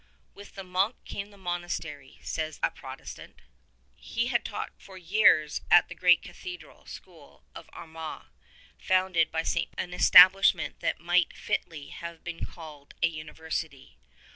''With the monk came the monastery,'' says a Protestant ^ He had taught for years at the great cathedral school of Armagh, founded by St. Patrick, an establishment that might fitly have been called a university.